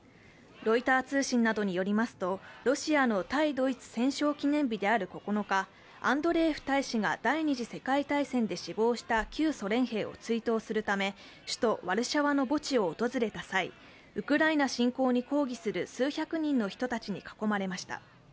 ロイター通信などによりますとロシアの対ドイツ戦勝記念日である９日アンドレエフ大使が第二次世界大戦で死亡した旧ソ連兵を追悼するため、首都ワルシャワの墓地を訪れた際、ウクライナ侵攻に抗議する数百人の人たちに囲まれました。